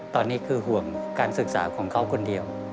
ตอนนี้คือห่วงการศึกษาของเขาคนเดียว